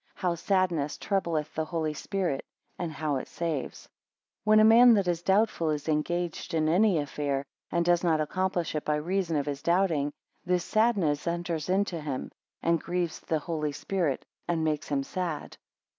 how sadness troubleth the Holy Spirit, and how it saves. When a man that is doubtful is engaged in any affair, and does not accomplish it by reason of his doubting; this sadness enters into him, and grieves the Holy Spirit, and makes him sad.